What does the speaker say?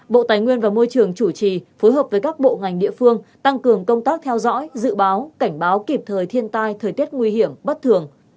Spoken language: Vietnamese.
bộ tài nguyên và môi trường chủ trì phối hợp với các bộ ngành địa phương tăng cường công tác theo dõi dự báo cảnh báo kịp thời thiên tai thời tiết nguy hiểm bất thường